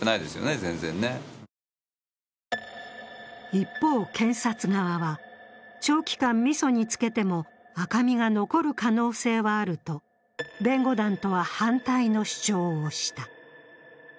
一方、検察側は長期間みそに漬けても赤みが残る可能性はあると弁護団とは反対の主張をした。